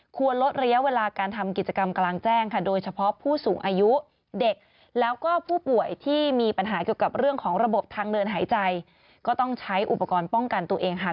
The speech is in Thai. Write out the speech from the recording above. ควรลดเลี้ยวเวลาการทำกิจกรรมกลางแจ้ง